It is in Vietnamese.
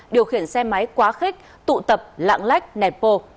điều khiển xe máy quá khích tụ tập lạng lách nẹt pô